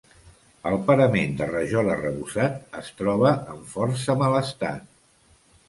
El parament de rajol arrebossat es troba en força mal estat.